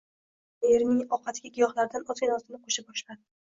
Har kuni erining ovqatiga giyohlardan ozgina-ozgina qoʻsha boshladi…